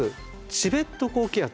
チベット高気圧。